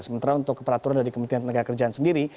sementara untuk peraturan dari kementerian tenaga kerjaan sendiri